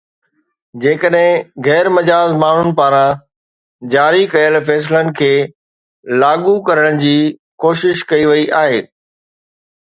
جيڪڏهن غير مجاز ماڻهن پاران جاري ڪيل فيصلن کي لاڳو ڪرڻ جي ڪوشش ڪئي وئي آهي